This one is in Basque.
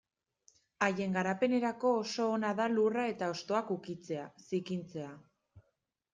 Haien garapenerako oso ona da lurra eta hostoak ukitzea, zikintzea...